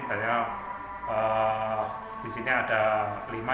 dan disini ada lima